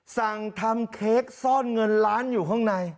สั่งทำเค้กซ่อนเงินล้านอยู่ข้างใน